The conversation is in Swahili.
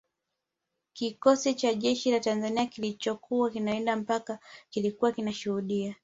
Kikosi cha jeshi la Tanzania kilichokuwa kinalinda mpaka kilikuwa kinashuhudia